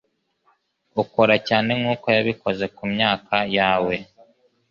Ukora cyane nkuko yabikoze kumyaka yawe.